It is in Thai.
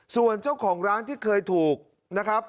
ส่วนเจ้าของร้านที่เคยถูกนะครับ